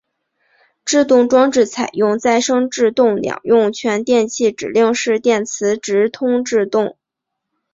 制动装置采用再生制动两用全电气指令式电磁直通制动。